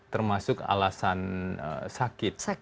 termasuk alasan sakit